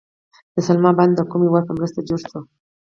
د سلما بند د کوم هیواد په مرسته جوړ شو؟